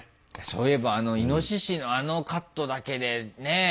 そういえばあのイノシシのあのカットだけでねえ？